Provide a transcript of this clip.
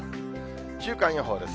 週間予報です。